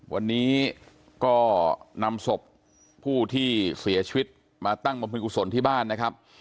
วันนี้ก็นำศพผู้ที่เสียชีวิตมาตั้งบำเพ็ญกุศลที่บ้านนะครับ